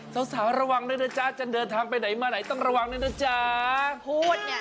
สาวสาวระวังหน่อยจะเดินทางไปไหนมาไหนต้องระวังหน่อย